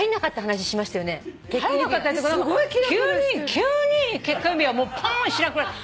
急に結婚指輪ポーンしなくなった。